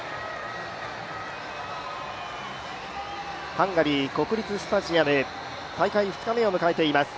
ハンガリー国立スタジアム大会２日目を迎えています。